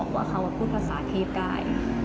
แต่ว่าเขายังไม่เคยพูดภาษาเทศด้วย